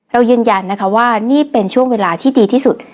ยืนยันนะคะว่านี่เป็นช่วงเวลาที่ดีที่สุด